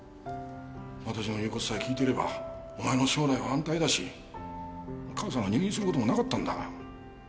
わたしの言うことさえ聞いてればお前の将来は安泰だし母さんが入院することもなかったんだ。